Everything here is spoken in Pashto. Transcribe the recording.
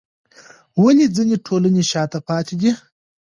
ولې ځینې ټولنې شاته پاتې دي؟